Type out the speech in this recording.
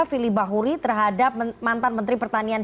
fili bahuri terhadap mantan menteri pertanian